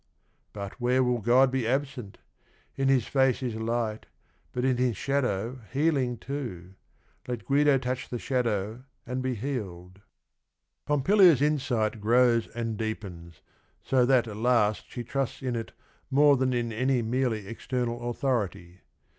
"But where will God be absent? In His face Is light, but in His shadow healing too : Let Guido touch the shadow and be healed !" Pompilia's insight grows and deepens, so that at last she trusts in it more than in any merely external authority.